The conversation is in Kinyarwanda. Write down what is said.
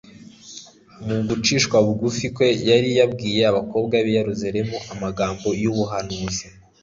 Mu gucishwa bugufi kwe yari yabwiye abakobwa b'i Yerusalemu amagambo y'ubuhanuzi.